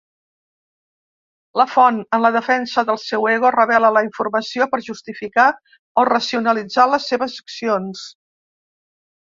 La font, en la defensa del seu ego, revela la informació per justificar o racionalitzar les seves accions.